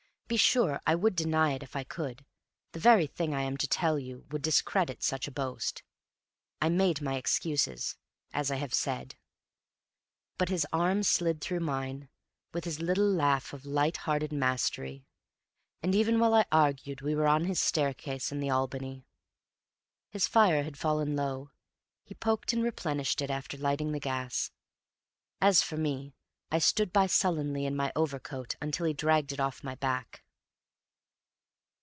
Be sure I would deny it if I could; the very thing I am to tell you would discredit such a boast. I made my excuses, as I have said. But his arm slid through mine, with his little laugh of light hearted mastery. And even while I argued we were on his staircase in the Albany. His fire had fallen low. He poked and replenished it after lighting the gas. As for me, I stood by sullenly in my overcoat until he dragged it off my back.